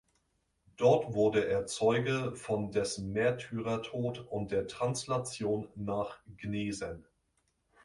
Dort wurde er Zeuge von dessen Märtyrertod und der Translation nach Gnesen.